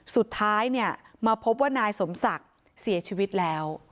สุดท้ายเนี่ยมาพบว่านายสมศักดิ์เสียชีวิตแล้ว